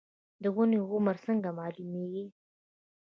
د ونې عمر څنګه معلومیږي؟